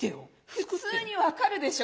「ふつうに分かるでしょ？